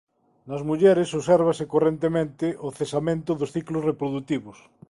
Nas mulleres obsérvase correntemente o cesamento dos ciclos reprodutivos.